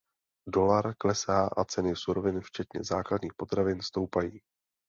Dolar klesá a ceny surovin včetně základních potravin stoupají.